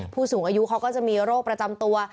ผู้สูงอายุเขาก็จะมีโรคประจำตัว